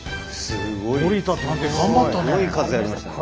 すごい数やりましたね。